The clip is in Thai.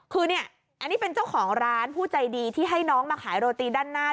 คือเนี่ยอันนี้เป็นเจ้าของร้านผู้ใจดีที่ให้น้องมาขายโรตีด้านหน้า